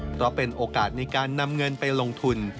เพราะเป็นโอกาสในการนำเงินไปลงทุน